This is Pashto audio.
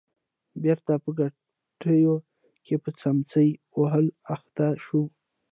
بېرته په کټوې کې په څمڅۍ وهلو اخته شو.